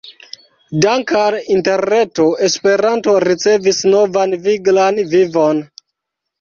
Dank’ al Interreto Esperanto ricevis novan viglan vivon.